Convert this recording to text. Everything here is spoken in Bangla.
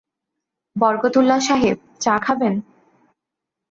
বরকতউল্লাহ সাহেব, চা খাবেন?